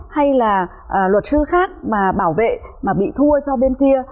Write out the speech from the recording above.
hay là luật sư khác mà bảo vệ mà bị thua cho bên kia